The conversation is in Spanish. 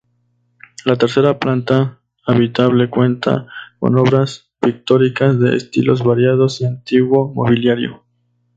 La tercera planta, habitable, cuenta con obras pictóricas de estilos variados y antiguo mobiliario.